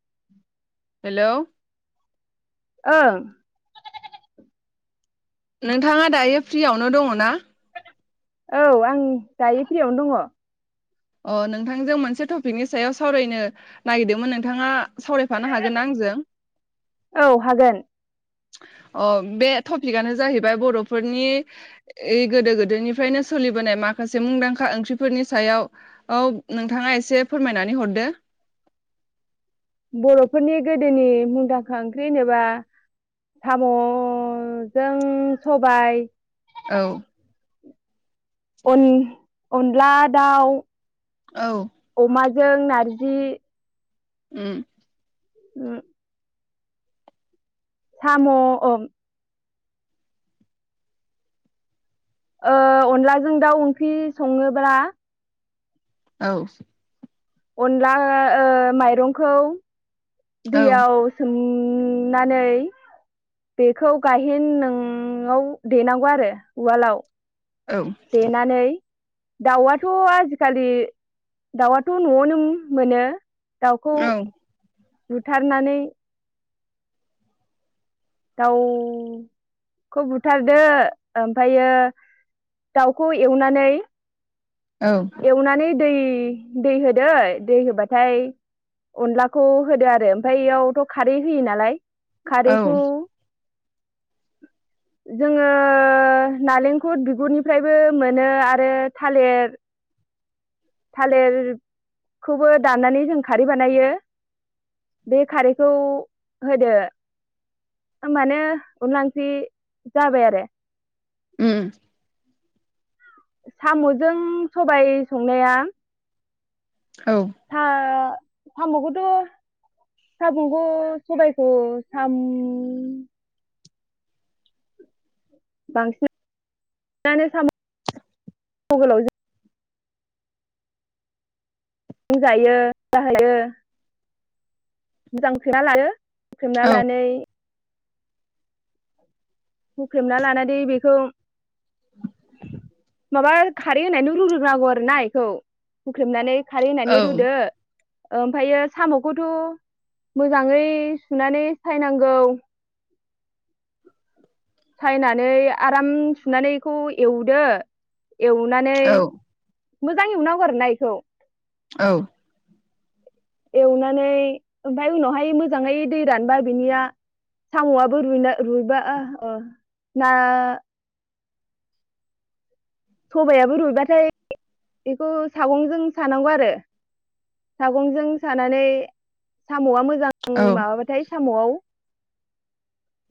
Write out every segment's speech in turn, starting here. [unintelligible] हेल' ओं नोंथाङा दायो फ्रियावनो दङ ना औ आं दायो फ्रियावनो दङ अ नोंथांजों मोनसे टपिकनि सायाव सावरायनो नागिरदोंमोन नोंथाङा सावरायफानो हागोनना आंजों औ हागोन अ बे टपिकआनो जाहैबाय बर'फोरनि गोदो गोदोनिफ्रायनो सोलिबोनाय माखासे मुंदांखा ओंख्रिफोरनि सायाव औ नोंथाङा एसे फोरमायनानै हरदो बर'फोरनि गोदोनि मुंदांखा ओंख्रि होनोबा साम'जों सबाय औ उन अनला दाउ औ जों नारजि उम उम साम' ओं ओ अनलाजों दाउ ओंख्रि सङोब्ला औ अनला ओ माइरंखौ औ दैयावसोम नानै बेखौ गायहेन नोंआव देनांगौ आरो उवालाव औ देनानै दाउआथ' आजिखालि दाउआथ' न'आवनो मोनो। दाउखौ औ बुथारनानै दाउखौ बुथारदो ओमफ्रायो दाउखौ एवनानै औ एवनानै दै दै होदो दै होबाथाय अनलाखौ होदो आरो ओमफ्राय बेयावथ' खारै होयो नालाय औ खारिखौ जोङो नालेंखल बिगुरनिफ्रायबो मोनो आरो थालिर थालिरखौबो दाननानै जों खारै बानायो बे खारैखौ होदो होमबानो अनला ओंख्रि जाबाय आरो। उम। साम'जों सबाय संनाया औ हा साम'खौथ' सामुंखौ सबायखौ साम बांसिनानो साम' [unintelligible] जायो [unintelligible] मोजांसोना लायो। बुथोमना औ लानानै हुख्रेमना लानानै बेखौ माबा खारै होनायनो रुग्रोनांगौ आरोना बेखौ हुख्रेमनानै खारैनानै औ रुदो ओमफायो साम'खौथ' मोजाङै सुनानै सायनांगौ। सायनानै आराम सुनानै एखौ एवदो एवनानै औ मोजां एवनांगौ आरोना एखौ। औ। एवनानै ओमफाय उनावहाय मोजाङै दै रानबा बिनिया साम'आबो रुइना रुइबा ना सबायाबो रुइबाथाय बेखौ सागंजों सानांगौ आरो सागंजों सानानै साम'आ मोज मोजां माबाबाथाय साम'आव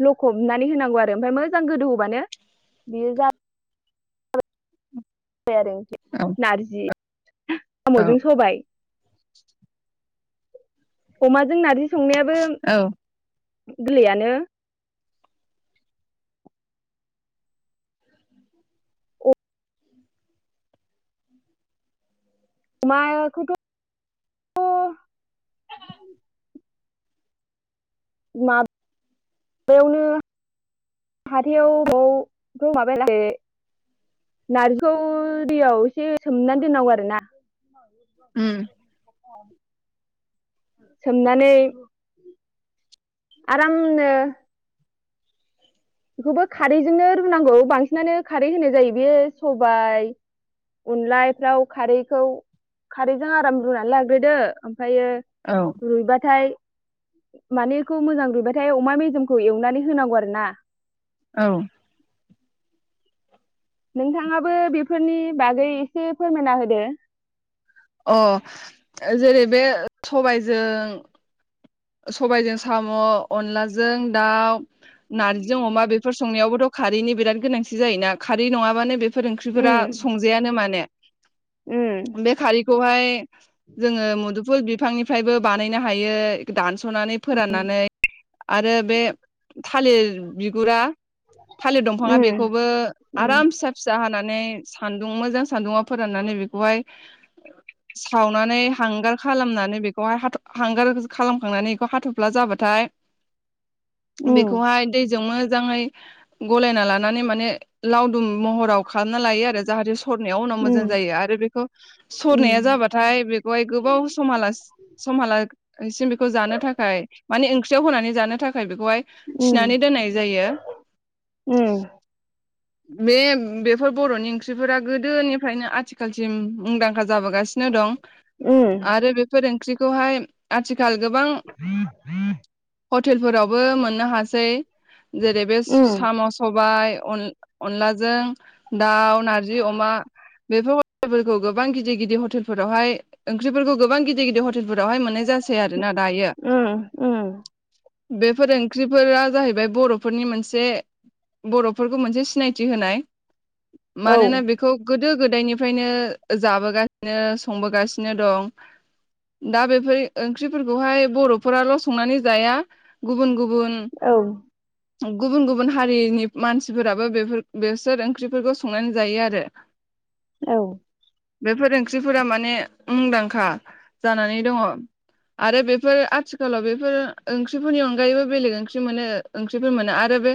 लखबनानै होनांगौ आरो ओमफ्राय मोजां गोदौ होबानो बियो जा औ [unintelligible] आम'जों सबाय। अमाजों नारजि संनायाबो औ गोरलैयानो माया खथ' मा माबायावनो हाथायाव बबावखौ माबाया नारजिखौ दैयाव एसे सोमनानै दोननांगौ आरो ना। उम। सोमनानै। आरामनो। बेखौबो खारैजोंनो रुनांगौ बांसिनानो खारै होनाय जायो बे सबाय अनलायफ्राव खारैखौ खारैजों आराम रुनानै लाग्रोदो। ओमफ्रायो औ रुइबाथाय माने बेखौ मोजां रुइबाथाय अमा मेजेमखौ एवनानै होनांगौ आरो ना औ नोंथाङाबो बेफोरनि बागै एसे फोरमायना होदो। ओ जेरै- बे ओ सबायजों। सबायजों साम' अनलाजों दाउ नारजि अमा बेफोर संनायावबोथ' खारैनि बिराद गोनांथि जायोना खारै नङाबानो बेफ फोर उम ओंख्रिफोरा संजायानो माने। उम बेखालि। खौहाय। जोङो मुदु फुल बिफांनिफ्रायबो बानायनो हायो। दान्स थ'नानै फोराननानै आरो बे थालिर बिगुरा थालिर दंफाङा उम बेखौबो आराम फिसा-फिसा हाना नै सान्दुं मोजां सान्दुङाव फोराननानै बेखौहाय सावनानै हांगार खालामनानै बेखौहाय हाथ हांगारजो खालामखांनानै इखौ हाथ'फ्ला जाबाथाय। उम बेखौहाय दैजोंमो जाङै गलायना लानानै माने लाव दुम महराव खालामना लायो आरो जाहाथे सरनायाव उनाव मोजां उम जायो आरो बेखौ सरनाया उम जाबाथाय बेखौहाय गोबाव समहालास समहाला ओंसिम बेखौ जानो थाखाय माने ओंख्रियाव होनानै जानो थाख थाखाय बेखौहाय उम उम थिनानै दोननाय जायो। उम बे बेफोर बर'नि ओंख्रिफोरा गोदोनिफ्रायनो आथिखालसिम मुंदांखा। जाबोगासिनो दं उम आरो बेफोर ओंख्रि दहाय आथिखाल गोबां। [unintelligible] हटेलफोरावबो मोननो हासै। जेरै- बे स उम साम' सबाय अन अनलाजों दाउ नारजि अमा बेफोर [unintelligible] गोबां गिदिर-गिदिर हटेलफोरावहाय ओंख्रिफोरखौ गोबां गिदिर-गिदिर हट टेलफोरावहाय मोननाय जासै आरोना दायो। उम उम बेफोर ओंख्रिफोरा जाहैबाय बर'फोरनि मोनसे बर'फोरखौ मोनसे सि सिनायथि होनाय। औ मानोना बेखौ गो गोदो गोदायनिफ्रायनो जाबोगासिनो संबोगासिनो दं दा बेफोर ओंख्रिफोरखौहाय बर'फोराल' संनानै जाया गुबुन-गुब बुन। औ गुबुन-गुबुन हारिनि मानसिफोरा। बो बेफोर बेसोर ओंख्रिफोरखौ संनानै जायो आरो। औ। बेफोर ओंख्रिफोरा माने मुंदांखा जानानै दङ आरो बेफोर आथिखालाव बेफोर ओंख्रिफोरनि अनगायैबो बेलेग ओंख्रि मोनो ओंख्रिफोर मोनो आरो बे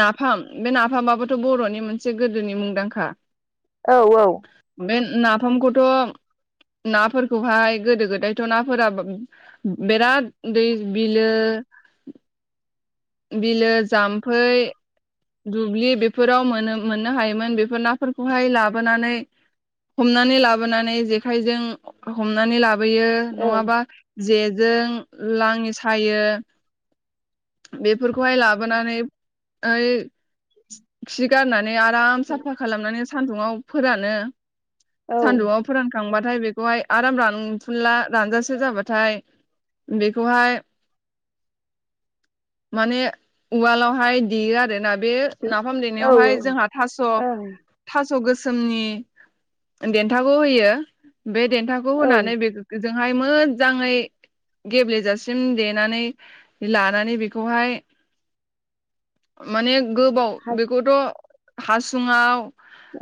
नाफाम। बे नाफामाबोथ' बर'नि मोनसे गोदोनि मुंदांखा। औ-औ। बे नाफामखौथ' नाफोरखौहाय गोदो गोदायथ' नाफोरा बिराद दै बिलो बिलो जाम्फै दुब्लि बेफोराव मोन मोननो हायोमोन बेफोर नाफोरखौहाय लाबोनानै हमनानै लाबोनानै जेखाइजों हमनानै ला बोयो औ नङाबा जे जों लाङि सायो बेफोरखौहाय लाबोनानै ओय [unintelligible] दा ना नै आराम साफा खालामनानै सान्दुंआव फोरानो। सान्दुंआव फोरानखांबा बेखौहाय आराम रानथुनला रानजासो जाबाथाय बेखौहाय माने उवालावहाय देयो आरोना। बे नाफाम औ देनायावहाय जोंहा थास' था स' गोसोमनि देन्थागोव होयो। बे देन्थाखौ ओं औ होनानै बेखौ जों हाय मोजाङै गेब्लेजासिम देनानै लानानै बेखौहाय माने गोबाव हा बेखौथ' हासुङाव।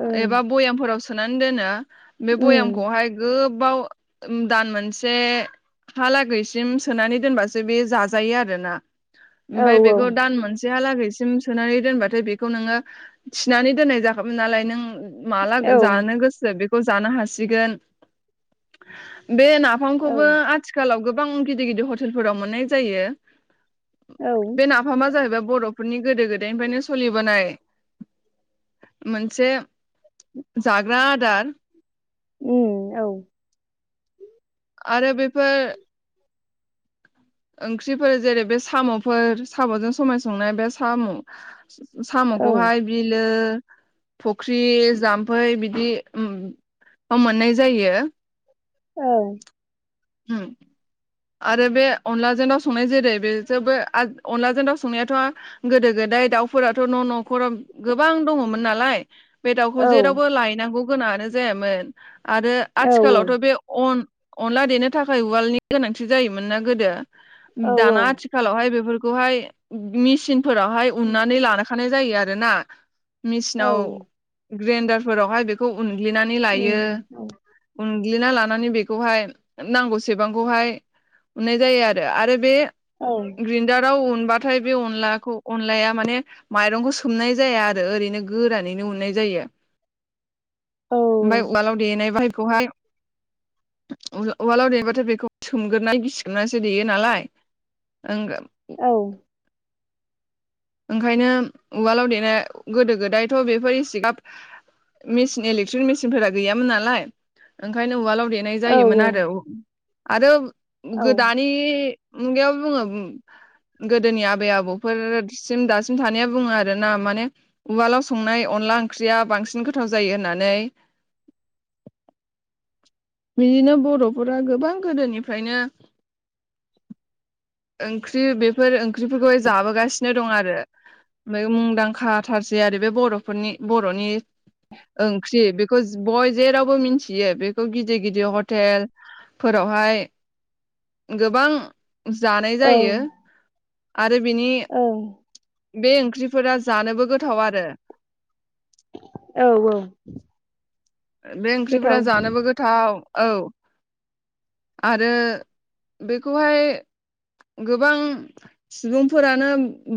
ओं एबा बयामफोराव सनानै दोनो। बे उम भयामखौहाय गो बाव दान मोनसे हा लागैसिम सोनानै दोनबासो बे जाजायो आरोना। औ ओमफाय बेखौ दान मोनसेहालागैसो [unintelligible] सनानै दोनबाथाय बेखौ नोङो थिनानै दोननाय जाखाम नालाय नों माला औ गो जानो गोसो बे खौ जानो हासिगोन बे नाफामखौबो आथिखालाव गोब बां गिदि गिदि हटेलफोराव मोननाय जायो। औ बे नाफामा जाहैबाय बर'फोरनि गोदो बेनिफ्रायनो सोलिबोनाय मोनसे जाग्रा दान उम औ आरो बेफोर ओंख्रिफोर जेरै बे साम'फोर साम'जों सबाय संनाय बे साम' औ साम'खौहाय बिलो फुख्रि जाम्फै बिदिआव मोननाय जायो औ हम आरो बे अनलाजों दाव संनाय जेरै बेजोबो अनलाजों दाव संनायाथ' गोदो गोदाय दाउफोराथ' न' न'खराव गोबां दङमोन नालाय बे दाउखौ जेरावबो लायनांगौ गोनाङानो जायामोन आरो आथिखालावथ' बे अन अनला देनो थाखाय उवालनि गोनांथि जायोमोन ना गोदो औ दाना आथिखालावहाय बेफोर खौहाय मिचिन फोरावहाय औ उननानै लानो थानाय जायो आरोना मेसिनाव ग्रेन्दारफोरावहाय बेखौ उनग्लिनानै लायो उम औ औ ग्लिना लानानै बेखौहाय नांगौसेबां बेहाय उनाय जायो आरो आरो बे औ औ ग्रिन्दारा उन बाथाय बे अनलाखौ अनलाया माने माइरंखौ सोमनाय जाया आरो ओरैनो गोरानैनो उनाय जायो औ ओमफ्राय उवालाव देनाय बाहायखौहाय उवालाव देबाथाय बेखौ सोमगोरोन गिसिग्रनानैसो देयो नालाय औ ओंखायनो उवालाव देनाया गोदो गोदायथ' बेफोर इसिगाब मेसिन इलेक्ट्रिक मेसिनफोरा गैयामोन नालाय ओंखायनो उवालाव देनाय जायोमोन आरो आरो ओं गोदानि मुगायाव बुङो गोदोनि आबै आबौफोर दासिम थानाया बुङो आरोना माने उवालाव संनाय अनला ओंख्रिया बांसिन गोथाव जायो होननानै बिदिनो बर'फोरा गोबां गोदोनिफ्रायनो ओंख्रि बेफोर ओंख्रिफोरखौहाय जाबोगासिनो दं आरो ओमफ्राय मुंदांखा थारसै आरो बे बर'फोरनि बर'नि ओंख्रि बे बय जेरावबो मिथियो बेखौ गिदिर गिदिर हटेल फोरावहाय गोबां जानाय जायो। आरो बिनि बे ओंख्रिफोरा जानोबो गोथाव आरो औ औ। बे ओंख्रिफ्रा गोथाव जानोबो गोथाव औ आरो बेखौहाय गोबां सुबुंफोरानो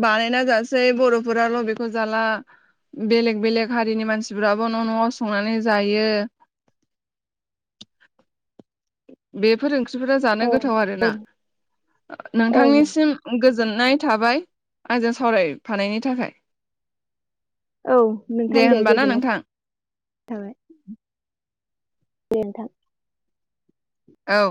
बानायना जासै बर'फोराल' बेखौ जाला बेलेग बेलेग हारिनि मानसिफ्राबो न नआव संनानै जायो। बेफोर ओं [unintelligible] जानो औ गोथाव आरोना ओं नोंथांनिसिम गोज जोननाय थाबाय आंजों सावरायफानायनि थाखाय। औ नोंथां दे होनबा ना गोजोननाय नोंथां थाबाय। दे नोंथां। औ